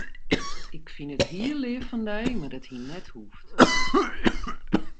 Ik fyn it hiel leaf fan dy, mar it hie net hoegd.